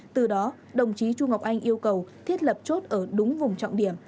từ đó đồng chí trung ngọc anh yêu cầu thiết lập chốt ở đúng vùng trọng điểm